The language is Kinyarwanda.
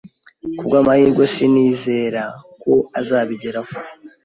Kubwamahirwe, sinizera ko azabigeraho